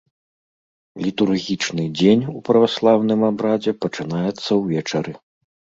Літургічны дзень у праваслаўным абрадзе пачынаецца ўвечары.